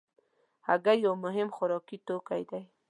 هګۍ یو مهم خوراکي توکی دی.